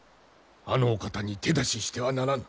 あのお方に手出ししてはならぬ。